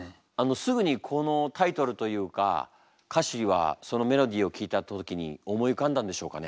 すぐにこのタイトルというか歌詞はそのメロディーを聴いた時に思い浮かんだんでしょうかね。